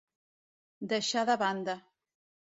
Deixar de banda.